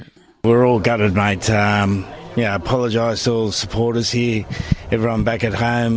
kita semua terpaksa saya minta maaf kepada semua pendukung di sini semua orang di rumah